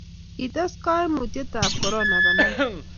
kites kaimutietab korona banabda